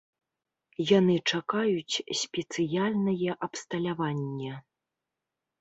Яны чакаюць спецыяльнае абсталяванне.